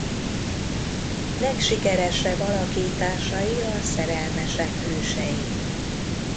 Legsikeresebb alakításai a szerelmesek hősei.